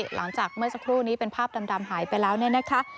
หลังจากเมื่อสักครู่นี้เป็นภาพดำหายไปแล้วเนี่ยนะคะ